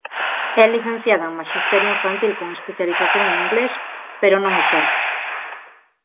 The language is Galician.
É licenciada en maxisterio infantil con especialización en inglés pero non exerce.